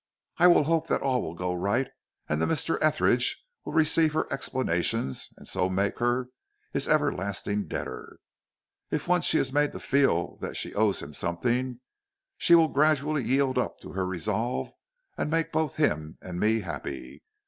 I will hope that all will go right, and that Mr. Etheridge will receive her explanations and so make her his everlasting debtor. If once she is made to feel that she owes him something, she will gradually yield up her resolve and make both him and me happy.